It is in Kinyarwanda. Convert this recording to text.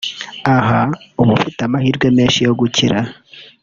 aha uba ufite amahirwe menshi yo gukira